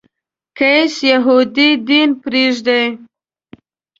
قیس یهودي دین پرېږدي.